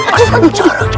masa mencara cuman jauh